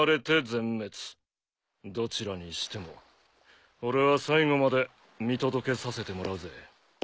どちらにしても俺は最後まで見届けさせてもらうぜ。